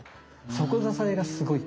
底支えがすごい。